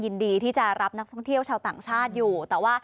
เหรอดีกว่าไม่จ่ายเลย